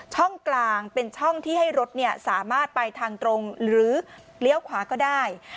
ช่องกลางเป็นช่องที่ให้รถสามารถไปทางตรงหรือเลี้ยวขวาก็ได้